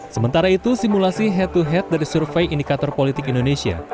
sementara itu simulasi head to head dari survei indikator politik indonesia